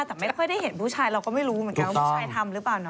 แต่ไม่ค่อยได้เห็นผู้ชายเราก็ไม่รู้เหมือนกันว่าผู้ชายทำหรือเปล่า